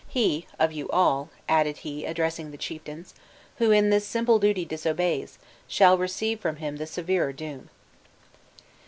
He of you all," added he, addressing the chieftains, "who in this simple duty disobeys, shall receive from him the severer doom."